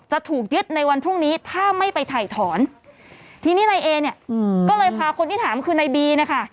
จะถูกยึดในวันพรุ่งนี้ถ้าไม่ไปถ่ายถอนทีนี้นายเอเนี่ยก็เลยพาคนที่ถามคือในบีนะคะ